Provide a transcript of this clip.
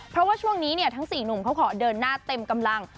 เพราะว่าช่วงนี้เนี่ยทั้ง๔หนุ่มเขาขอเดินหน้าเต็มกำลัง